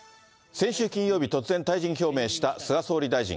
先週金曜日、突然退陣表明した菅総理大臣。